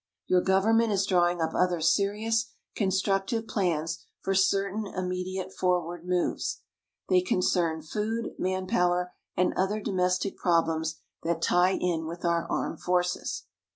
Your government is drawing up other serious, constructive plans for certain immediate forward moves. They concern food, manpower, and other domestic problems that tie in with our armed forces.